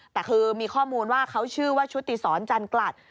แต่คือมีข้อมูลว่าเขาชื่อว่าชุติศรจันกลัด